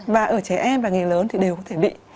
và ở trẻ em và nghề lớn thì đều có thể bị